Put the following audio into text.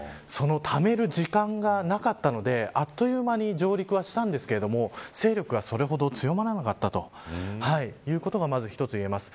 ためる時間がなかったのであっという間に上陸はしたんですが勢力はそれほど強まらなかったということがまず一つ言えます。